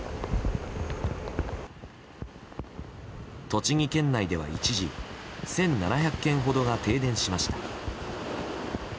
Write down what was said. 栃木県内では一時１７００軒ほどが停電しました。